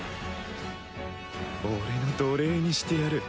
俺の奴隷にしてやる